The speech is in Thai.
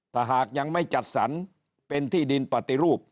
ถ้าหากยังไม่จัดสรรเป็นที่ดินปฏิรูป